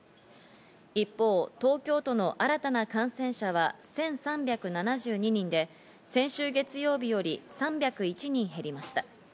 一方東京都の新たな感染者は１３７２人で、先週月曜日より３０１人減りました。